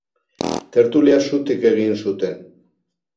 Tertulia zutik egin zuten.